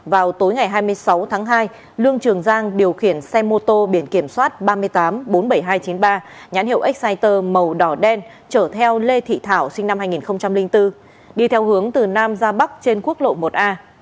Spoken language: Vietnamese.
vào tối ngày hai mươi sáu tháng hai lương trường giang điều khiển xe mô tô biển kiểm soát ba mươi tám bốn mươi bảy nghìn hai trăm chín mươi ba nhãn hiệu exciter màu đỏ đen chở theo lê thị thảo sinh năm hai nghìn bốn đi theo hướng từ nam ra bắc trên quốc lộ một a